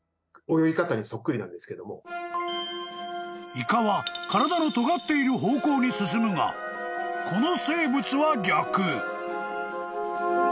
［イカは体のとがっている方向に進むがこの生物は逆］